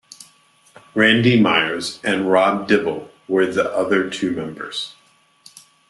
Randy Myers and Rob Dibble were the other two members.